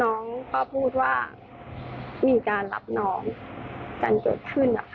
น้องก็พูดว่ามีการรับน้องกันเกิดขึ้น